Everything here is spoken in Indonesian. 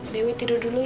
dewi tidur dulu ya